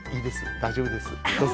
大丈夫です。